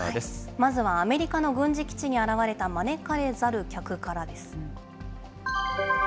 まずはアメリカの軍事基地に現れた招かれざる客からです。